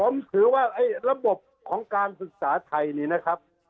ผมถือว่าระบบของการศึกษาไทยนี่นะครับ